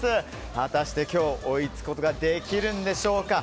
果たして今日追いつくことができるでしょうか。